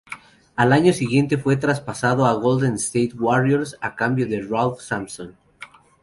Al año siguiente fue traspasado a Golden State Warriors a cambio de Ralph Sampson.